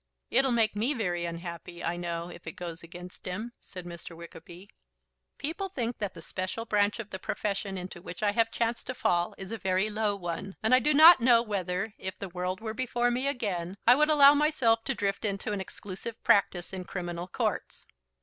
"It'll make me very unhappy, I know, if it goes against him," said Mr. Wickerby. "People think that the special branch of the profession into which I have chanced to fall is a very low one, and I do not know whether, if the world were before me again, I would allow myself to drift into an exclusive practice in criminal courts."